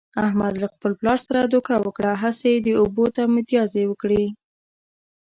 احمد له خپل پلار سره دوکه وکړه، هسې یې اوبو ته متیازې و کړلې.